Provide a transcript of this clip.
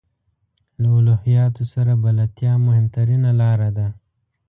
له الهیاتو سره بلدتیا مهمترینه لاره ده.